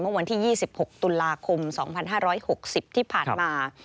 วันที่๒๖ตุลาคม๒๕๖๐ที่ผ่านมา